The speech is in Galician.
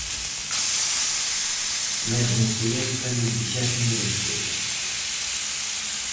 Mesmo que esta non quixese merecelo.